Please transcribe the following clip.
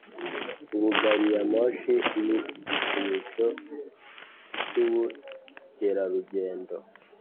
ubu gariyamoshi ni igikinisho cyubukerarugendo